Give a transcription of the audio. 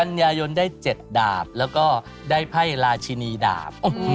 กันยายนได้๗ดาบแล้วก็ได้ไพ่ราชินีดาบ